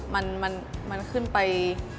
มันขึ้นไป